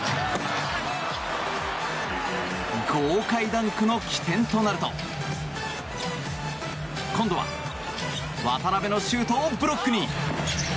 豪快ダンクの起点となると今度は渡邊のシュートをブロックに！